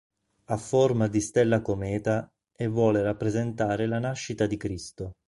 Ha forma di stella cometa e vuole rappresentare la nascita di Cristo.